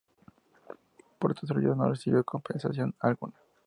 Por estos servicios no recibió compensación alguna.